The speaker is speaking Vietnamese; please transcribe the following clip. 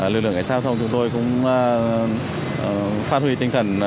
lực lượng cảnh sát giao thông chúng tôi cũng phát huy tinh thần